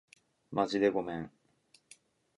まじでごめん